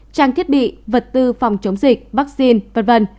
trang thiết bị vật tư phòng chống dịch vaccine v v